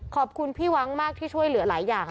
ขอบคุณพี่วังมากที่ช่วยเหลือหลายอย่าง